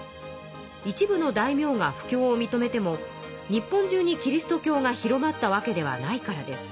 一部の大名が布教をみとめても日本中にキリスト教が広まったわけではないからです。